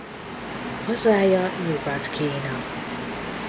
Hazája Nyugat-Kína.